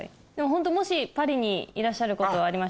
ホントもしパリにいらっしゃることありましたら。